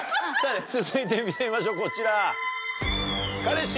続いて見てみましょうこちら。